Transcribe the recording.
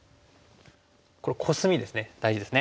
これコスミですね大事ですね。